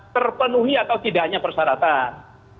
terpenuhi atau tidaknya persyaratan